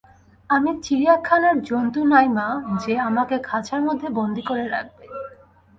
আমি চিড়িয়াখানার জন্তু নাই মা, যে, আমাকে খাঁচার মধ্যে বন্দি করে রাখবে।